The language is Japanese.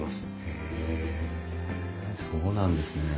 へえそうなんですね。